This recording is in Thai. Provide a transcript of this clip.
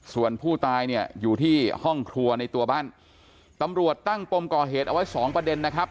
ส่วนผู้ตายเนี่ยอยู่ที่ห้องครัวในตัวบ้านตำรวจตั้งปมก่อเหตุเอาไว้สองประเด็นนะครับ